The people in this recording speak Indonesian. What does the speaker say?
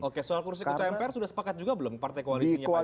oke soal kursi ketua mpr sudah sepakat juga belum partai koalisinya pak jokowi